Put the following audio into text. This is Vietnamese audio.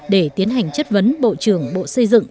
để tiến hành chất vấn bộ trưởng bộ xây dựng